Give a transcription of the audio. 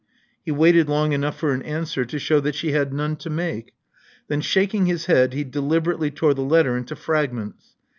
He waited long enough for an answer to shew that she had none to make. Then, shaking his head, he deliberately tore the letter into fragments.